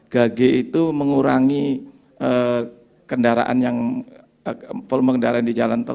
gague itu mengutangi kendaraan yang di jalantar